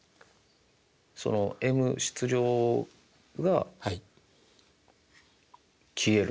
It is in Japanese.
そのｍ質量が消える。